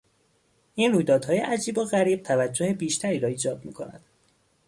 این رویدادهای عجیب و غریب توجه بیشتری را ایجاب میکند.